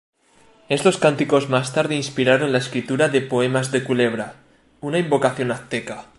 Estos cánticos más tarde inspiraron la escritura de "Poemas de Culebra: Una invocación azteca".